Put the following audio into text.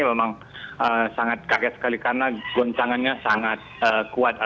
memang sangat kaget sekali karena goncangannya sangat kuat